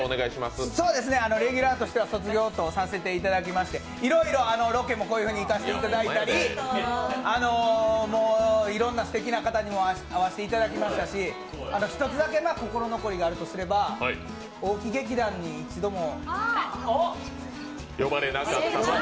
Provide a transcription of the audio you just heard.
レギュラーとしては卒業とさせていただきましていろいろロケもこういうふうに行かせていただきましたしもういろんなすてきな方にも会わせていただきましたし、１つだけ心残りがあるとすれば大木劇団に一度も。